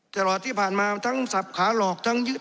ตลอดที่ผ่านมาทั้งสับขาหลอกทั้งยึด